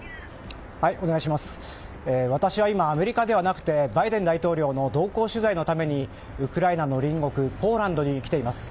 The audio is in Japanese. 私は今、アメリカではなくてバイデン大統領の同行取材のためにウクライナの隣国ポーランドに来ています。